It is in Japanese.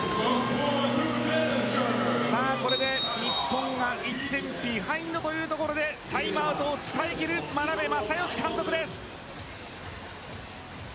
これで日本が１点ビハインドというところでタイムアウトを使い切る眞鍋政義監督です。